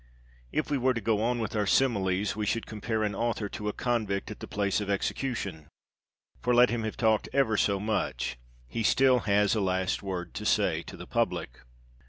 If we were to go on with our similes, we should compare an author to a convict at the place of execution, for let him have talked never so much, he has still a last word to say to the public.